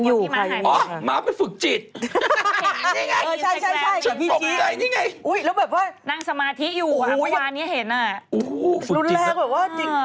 อู้หูฝึกจิตนะรุนแรงแบบว่าจริง